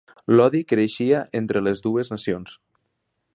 L'odi creixia entre les dues nacions.